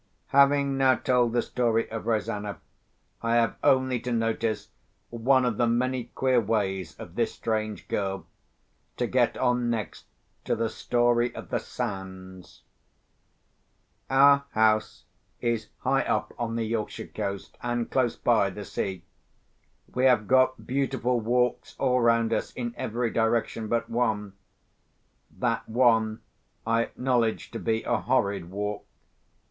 Having now told the story of Rosanna, I have only to notice one of the many queer ways of this strange girl to get on next to the story of the sands. Our house is high up on the Yorkshire coast, and close by the sea. We have got beautiful walks all round us, in every direction but one. That one I acknowledge to be a horrid walk.